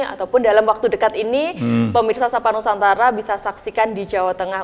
ataupun dalam waktu dekat ini pemirsa sapa nusantara bisa saksikan di jawa tengah